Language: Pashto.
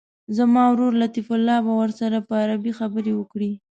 زما ورور لطیف الله به ورسره په عربي خبرې وکړي.